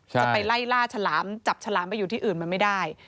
จะไปไล่ล่าฉลามจับฉลามไปอยู่ที่อื่นมันไม่ได้